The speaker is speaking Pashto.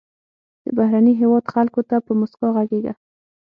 د بهرني هېواد خلکو ته په موسکا غږیږه.